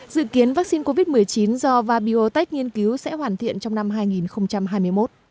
dự kiến vaccine covid một mươi chín do vabiotech nghiên cứu sẽ hoàn thiện trong năm hai nghìn hai mươi một